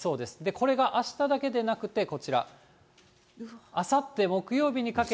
これがあしただけでなくて、こちら、あさって木曜日にかけて。